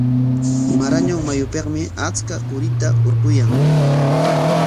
Marañon mayupikmi achka qurita hurquyan.